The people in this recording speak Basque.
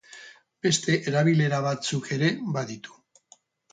Beste erabilera batzuk ere baditu.